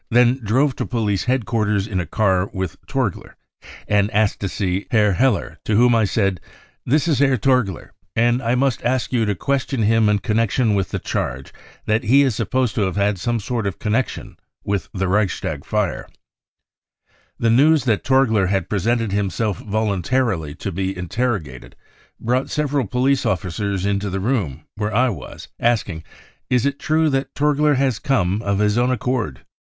I then drove to police headquarters in a car with Torgier and asked to see Herr Heller, to whom I said : c Here is Herr Torgier, and I must ask you to question him in connection with the charge that he is supposed to have had some sort of connection with the Reichstag fired The news that Torgier had presented himself voluntarily to be interro gated brought several police officers into the room where 1 was, asking :' Is it true that Torgier has come of his own accord